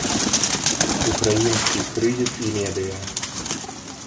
Украінскі крызіс і медыя.